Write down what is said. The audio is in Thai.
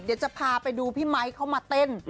เดี๋ยวจะพาไปดูพี่ไมค์เขามาเต้น